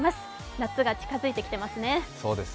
夏が近づいてきていますね。